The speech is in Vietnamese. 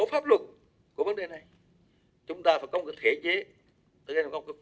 pháp luật của vấn đề này chúng ta phải có một thể chế